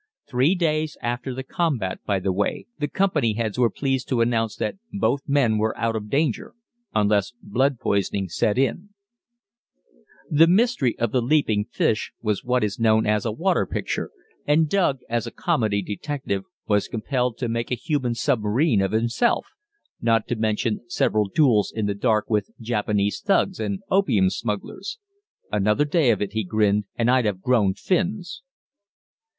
Three days after the combat, by the way, the company heads were pleased to announce that both men were out of danger unless blood poisoning set in. [Illustration: Here's Hoping! (White Studio)] "The Mystery of the Leaping Fish" was what is known as a "water picture," and "Doug," as a comedy detective, was compelled to make a human submarine of himself, not to mention several duels in the dark with Japanese thugs and opium smugglers. "Another day of it," he grinned, "and I'd have grown fins."